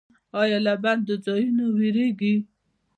ایا له بندو ځایونو ویریږئ؟